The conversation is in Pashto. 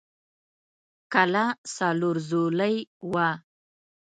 کلا څلور ضلعۍ وه.